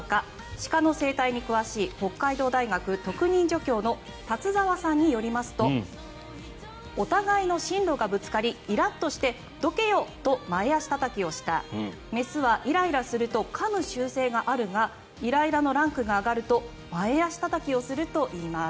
シカの生態に詳しい北海道大学特任助教の立澤さんによりますとお互いの進路がぶつかりイラッとしてどけよ！と前足たたきをした雌はイライラするとかむ習性があるがイライラのランクが上がると前足たたきをするといいます。